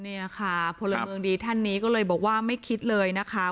เนี่ยค่ะพลเมืองดีท่านนี้ก็เลยบอกว่าไม่คิดเลยนะคะ